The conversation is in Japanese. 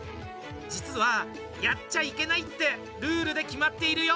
実は、やっちゃいけないってルールで決まっているよ。